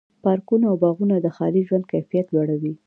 پارکونه او باغونه د ښاري ژوند کیفیت لوړوي.